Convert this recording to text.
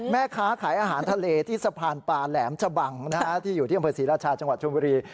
แม่ค้าขายอาหารทะเลที่สะพานปลาแหลมชะบังที่อยู่ที่อำเภอศรีราชาจังหวัดชมบุรี